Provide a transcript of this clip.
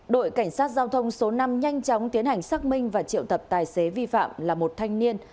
đội cảnh sát giao thông số năm nhanh chóng tiến hành xác minh và triệu tập tài xế vi phạm là một thanh niên